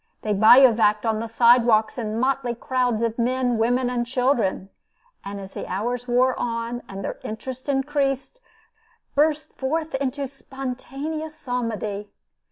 They bivouacked on the side walks in motley crowds of men, women, and children; and as the hours wore on, and their interest increased, burst forth into spontaneous psalmody.